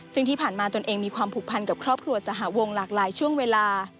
ซึ่งที่ผ่านมาตนเองมีความผูกพันกับครอบครัวสหวงหลากหลายช่วงเวลา